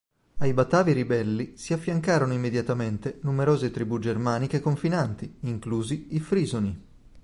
Ai Batavi ribelli si affiancarono immediatamente numerose tribù germaniche confinanti, inclusi i Frisoni.